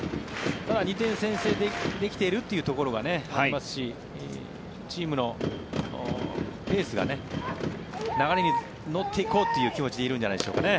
ただ、２点先制できているっていうところがありますしチームのペースが流れに乗っていこうという気持ちでいるんじゃないですかね。